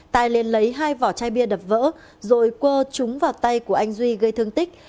tài lên lấy hai vỏ chai bia đập vỡ rồi cua trúng vào tay của anh duy gây thương tích